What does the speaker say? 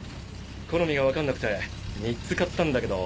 好みが分かんなくて３つ買ったんだけど。